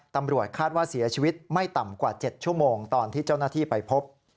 ตำรวจคาดว่าเสียชีวิตไม่ต่ำกว่า๗ชั่วโมงตอนที่เจ้าหน้าที่ไปพบ